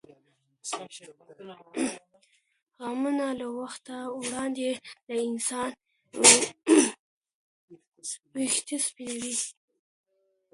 غمونه له وخته وړاندې د انسان وېښته سپینوي.